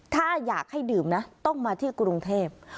ถ้าอยากให้ดื่มนะต้องมาที่กรุงเทพ